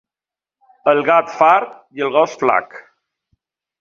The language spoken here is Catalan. El gat fart i el gos flac.